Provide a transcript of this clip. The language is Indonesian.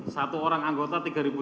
satu orang anggota tiga